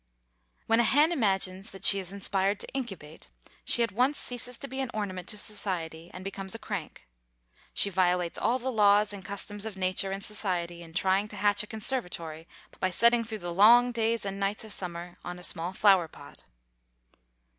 When a hen imagines that she is inspired to incubate, she at once ceases to be an ornament to society and becomes a crank. She violates all the laws and customs of nature and society in trying to hatch a conservatory by setting through the long days and nights of summer on a small flower pot.